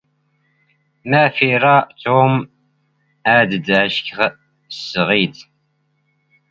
ⵎⴰⴼ ⵉⵔⴰ ⵜⵓⵎ ⴰⴷ ⴷ ⴰⵛⴽⵖ ⵙ ⵖⵉⴷ?